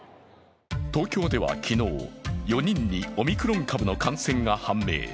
東京では昨日、４人にオミクロン株の感染が判明。